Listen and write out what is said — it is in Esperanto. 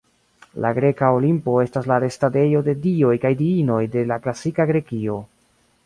La greka Olimpo estas la restadejo de dioj kaj diinoj de la klasika Grekio.